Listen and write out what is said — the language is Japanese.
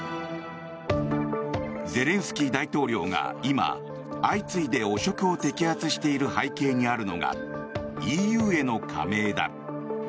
ゼレンスキー大統領が今相次いで汚職を摘発している背景にあるのがＥＵへの加盟だ。